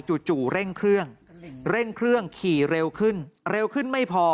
จู่เร่งเครื่องเร่งเครื่องขี่เร็วขึ้นเร็วขึ้นไม่พอ